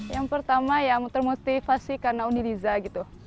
yang pertama ya termotivasi karena unilisa gitu